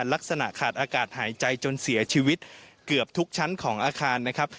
ลักษณะขาดอากาศหายใจจนเสียชีวิตเกือบทุกชั้นของอาคารนะครับ